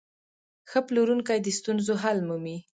ښه پلورونکی د ستونزو حل مومي.